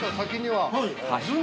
◆はい。